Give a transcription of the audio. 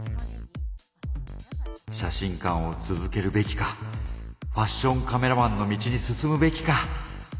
写真館を続けるべきかファッションカメラマンの道に進むべきか。